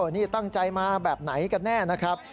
นี่ตั้งใจมาแบบไหนกันแน่นะครับ